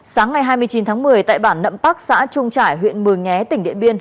sáng ngày hai mươi chín tháng một mươi tại bản nậm pắc xã trung trải huyện mường nhé tỉnh điện biên